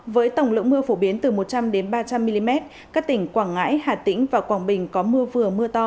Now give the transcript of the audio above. với tổng lượng mưa phổ biến từ một trăm linh ba trăm linh mm các tỉnh quảng ngãi hà tĩnh và quảng bình có mưa vừa mưa to